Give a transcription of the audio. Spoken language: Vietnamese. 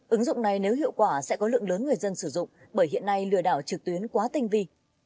ứng dụng này nếu hiệu quả sẽ có lượng lớn người dân sử dụng bởi hiện nay lừa đảo trực tuyến quá tinh vi